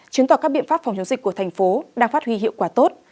chứng tỏ các biện pháp phòng chống dịch của tp hcm đang phát huy hiệu quả tốt